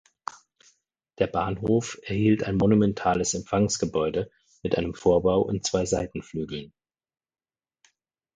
Der Bahnhof erhielt ein monumentales Empfangsgebäude mit einem Vorbau und zwei Seitenflügeln.